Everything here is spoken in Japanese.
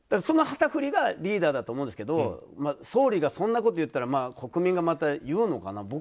その旗振りがリーダーだと思うんですけど総理がそんなこと言ったら国民がまた言うのかな。